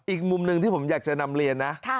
อีกมุมหนึ่งที่ผมอยากจะนำเรียนนะ